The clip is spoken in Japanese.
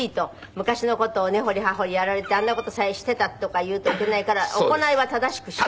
昔の事を根掘り葉掘りやられてあんな事してたとかいうといけないから行いは正しくしよう。